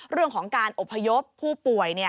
เรื่องของการอบพยพผู้ป่วย